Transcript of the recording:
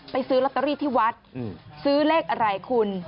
ซื้อลอตเตอรี่ที่วัดซื้อเลขอะไรคุณ